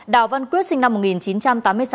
đào văn quyết sinh năm một nghìn chín trăm tám mươi sáu